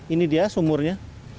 ini dia sumurnya